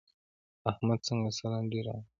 احمده څنګه سالنډی راغلې؟!